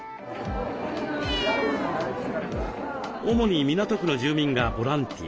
主に港区の住民がボランティア。